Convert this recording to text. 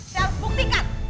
saya harus buktikan